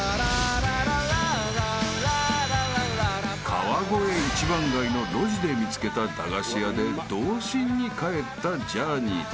［川越一番街の路地で見つけた駄菓子屋で童心に帰ったジャーニーたち］